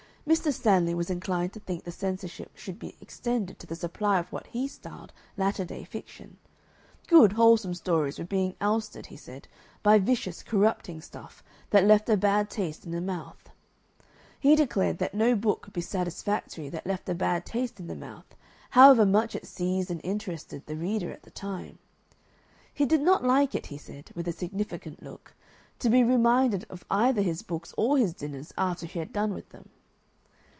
Mr. Stanley was inclined to think the censorship should be extended to the supply of what he styled latter day fiction; good wholesome stories were being ousted, he said, by "vicious, corrupting stuff" that "left a bad taste in the mouth." He declared that no book could be satisfactory that left a bad taste in the mouth, however much it seized and interested the reader at the time. He did not like it, he said, with a significant look, to be reminded of either his books or his dinners after he had done with them.